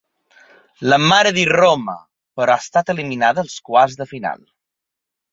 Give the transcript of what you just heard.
La Mare di Roma, però, ha estat eliminada als quarts de final.